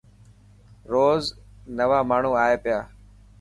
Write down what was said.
روز نوا ماڻهو آئي پيا.